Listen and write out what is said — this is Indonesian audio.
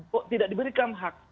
kok tidak diberikan hak